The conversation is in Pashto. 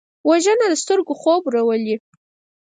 وژنه د سترګو خوب ورولي